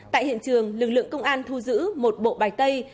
tại hiện trường lực lượng công an thu giữ một bộ bài tay